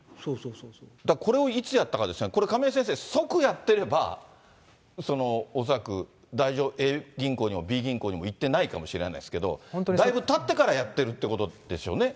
これをいつやったかですよね、これ亀井先生、即やってれば、恐らくＡ銀行にもＢ銀行にも行ってないかもしれないですけど、だいぶたってからやってるっていうことですよね。